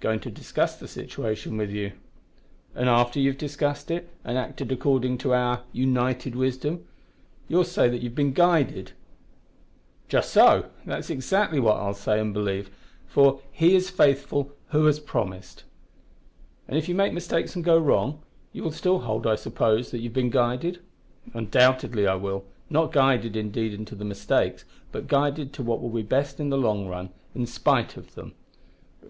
"Going to discuss the situation with you." "And after you have discussed it, and acted according to our united wisdom, you will say that you have been guided." "Just so! That is exactly what I will say and believe, for `He is faithful who has promised.'" "And if you make mistakes and go wrong, you will still hold, I suppose, that you have been guided?" "Undoubtedly I will not guided, indeed, into the mistakes, but guided to what will be best in the long run, in spite of them."